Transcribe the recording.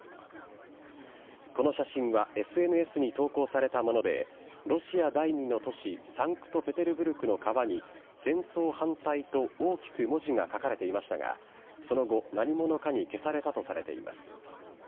この写真はＳＮＳに投稿されたもので、ロシア第２の都市サンクトペテルブルクの川に、戦争反対と大きく文字が書かれていましたが、その後、何者かに消されたとされています。